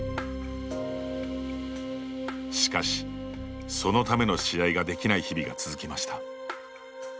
しかし、そのための試合ができない日々が続きました。